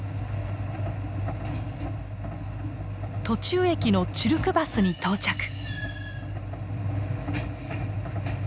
途中駅のチュルクバスに到着。